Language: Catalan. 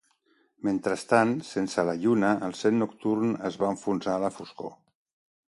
Mentrestant, sense la lluna, el cel nocturn es va enfonsar a la foscor.